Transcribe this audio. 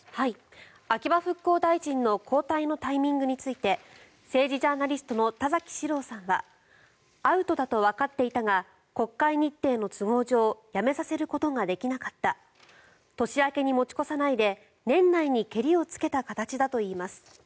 秋葉復興大臣の交代のタイミングについて政治ジャーナリストの田崎史郎さんはアウトだとわかっていたが国会日程の都合上辞めさせることができなかった年明けに持ち越さないで年内にけりをつけた形だといいます。